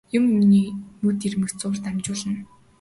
Юм юмыг нүд ирмэх зуурт амжуулна.